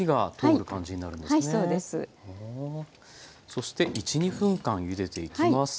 そして１２分間ゆでていきます。